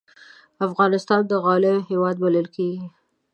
افغانستان د غالیو هېواد بلل کېږي.